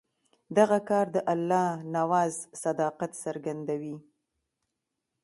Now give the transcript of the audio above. دغه کار د الله نواز صداقت څرګندوي.